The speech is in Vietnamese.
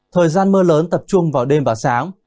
thời gian mưa lớn tập trung vào đêm và sáng